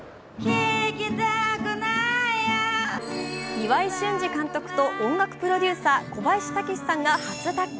岩井俊二監督と音楽プロデューサー小林武史さんが初タッグ。